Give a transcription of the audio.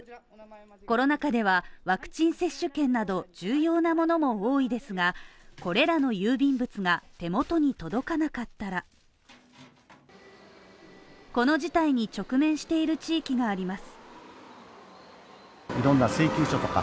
コロナ禍では、ワクチン接種券など重要なものも多いですがこれらの郵便物が手元に届かなかったらこの事態に直面している地域があります。